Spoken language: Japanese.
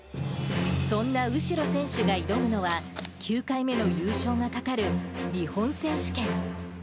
そんな右代選手が挑むのは、９回目の優勝がかかる日本選手権。